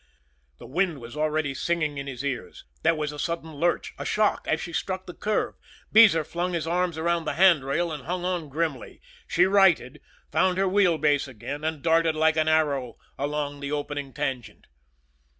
The wind was already singing in his ears. There was a sudden lurch, a shock, as she struck the curve. Beezer flung his arms around the handrail and hung on grimly. She righted, found her wheel base again, and darted like an arrow along the opening tangent.